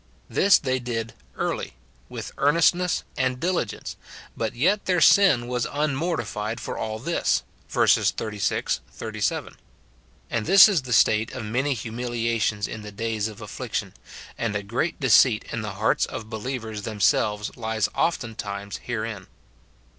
This they did "early," — with earnestness and diligence ; but yet their sin was SIN IN BELIEVERS. 189 unmortijBed for all this, verses 36, 37. And this is the state of many humiliations in the days of affliction, and a great deceit in the hearts of believers themselves lies oftentimes herein.